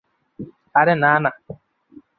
আরে না, না!